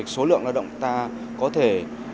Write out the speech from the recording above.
số lượng lao động ta có thể